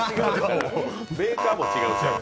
メーカーも違うし。